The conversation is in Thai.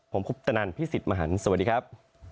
ผมคุปตนันพี่สิทธิ์มหันฯสวัสดีครับ